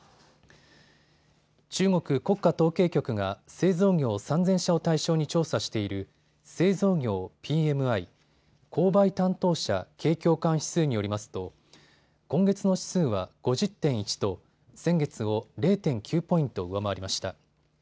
中国国家統計局が製造業３０００社を対象に調査している製造業ＰＭＩ・購買担当者景況感指数によりますと今月の指数は５０．１と先月を０．９ポイント上回りました。